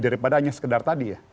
daripada hanya sekedar tadi ya